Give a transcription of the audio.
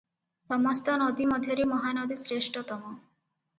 ସମସ୍ତ ନଦୀ ମଧ୍ୟରେ ମହାନଦୀ ଶ୍ରେଷ୍ଠତମ ।